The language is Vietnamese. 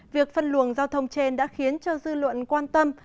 việc phân luồng giao thông trên đã khiến cho dư luận quan tâm